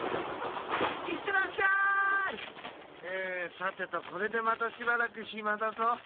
さてとこれでまたしばらくひまだぞ。